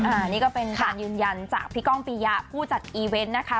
อันนี้ก็เป็นการยืนยันจากพี่ก้องปียะผู้จัดอีเวนต์นะคะ